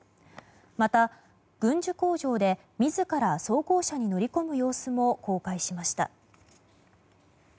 また、軍需工場で自ら装甲車に乗り込む様子も公開しました。